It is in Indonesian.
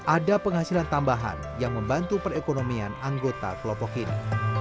ada penghasilan tambahan yang membantu perekonomian anggota kelompok ini